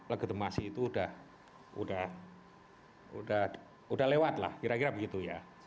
legitimasi itu sudah lewat lah kira kira begitu ya